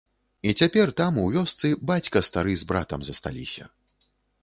І цяпер там, у вёсцы, бацька стары з братам засталіся.